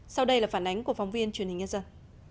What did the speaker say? sau đây là phản ánh của phóng viên truyền hình nhân dân